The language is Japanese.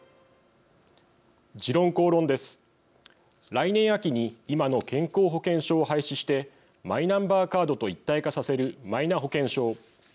来年秋に今の健康保険証を廃止してマイナンバーカードと一体化させる「マイナ保険証」。